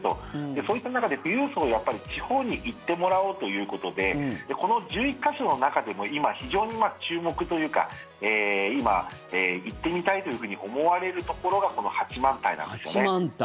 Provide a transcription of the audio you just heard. そういった中で富裕層、地方に行ってもらおうということでこの１１か所の中でも今、非常に注目というか今、行ってみたいというふうに思われるところが八幡平。